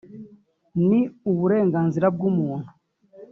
ni uburenganzira bw’umuntu